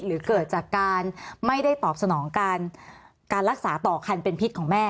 หรือเกิดจากการไม่ได้ตอบสนองการรักษาต่อคันเป็นพิษของแม่